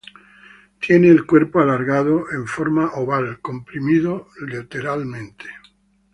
Tiene el cuerpo alargado en forma oval, comprimido lateralmente.